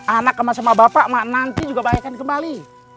anak sama bapak mah nanti juga baikkan kembali